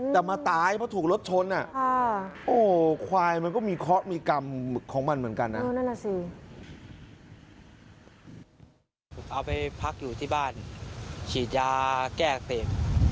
แต่มาตายเพราะถูกรถชน